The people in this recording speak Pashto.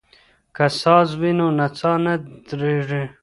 که ساز وي نو نڅا نه ودریږي.